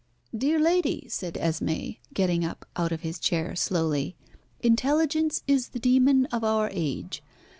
"Dear Lady!" said Esmé, getting up out of his chair slowly, "intelligence is the demon of our age.